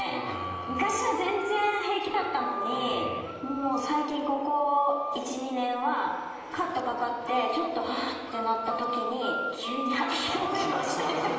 昔は全然平気だったのにもう最近ここ１２年はカットかかってちょっとハァってなったときに急に吐き気催したりとか。